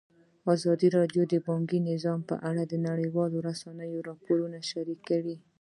ازادي راډیو د بانکي نظام په اړه د نړیوالو رسنیو راپورونه شریک کړي.